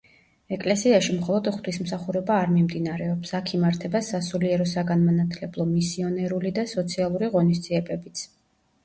ეკლესიაში მხოლოდ ღვთისმსახურება არ მიმდინარეობს, აქ იმართება სასულიერო-საგანმანათლებლო, მისიონერული და სოციალური ღონისძიებებიც.